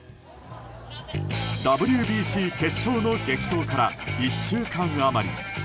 ＷＢＣ決勝の激闘から１週間余り。